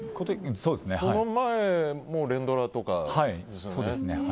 その前も連ドラとかですよね。